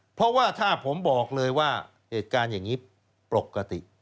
เพราะว่าถ้าผมบอกเลยว่าเหตุการณ์อย่างนี้ปกติ